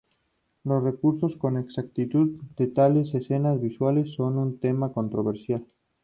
Los recuerdos con exactitud de tales escenas visuales son un tema controversial.